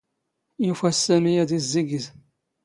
ⵢⵓⴼⴰ ⴰⵙ ⵙⴰⵎⵉ ⴰⴷ ⵉⵣⵣⵉⴳⵉⵣ.